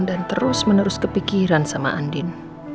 dan terus menerus kepikiran sama andien